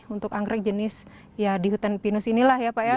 untuk anggrek jenis ya di hutan pinus inilah ya pak ya